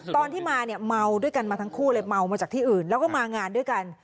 ตอนที่มาเนี่ยเมาด้วยกันมาทั้งคู่เลยเมามาจากที่อื่นแล้วก็มางานด้วยกัน